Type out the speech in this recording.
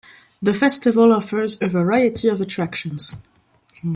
The festival offers a variety of attractions.